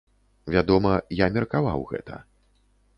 Вядома, я меркаваў гэта.